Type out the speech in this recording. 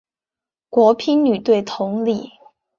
国乒女队同理。